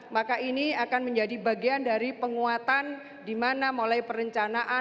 maka ini akan menjadi bagian dari penguatan di mana mulai perencanaan